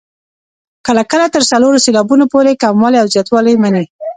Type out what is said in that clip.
کله کله تر څلورو سېلابونو پورې کموالی او زیاتوالی مني.